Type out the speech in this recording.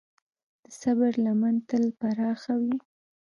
د صبر لمن تل پراخه وي.